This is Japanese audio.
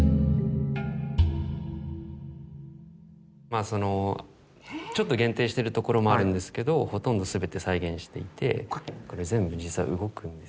まあそのちょっと限定してるところもあるんですけどほとんど全て再現していてこれ全部実は動くんです。